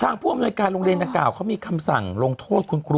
ทางพูดบุหรี่บริการโรงเรียนนักกล่าวเขามีคำสั่งลงโทษ